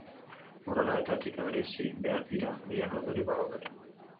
Morala eta etika bereizi behar dira, biak loturik badaude ere.